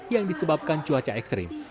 yang disebabkan cuaca ekstrim